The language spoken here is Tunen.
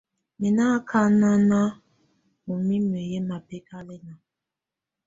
Mɛ̀ nɔ̀ akana ù mimǝ yɛ̀ mabɛkalɛna.